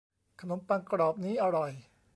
ขนมปังกรอบนี้อร่อย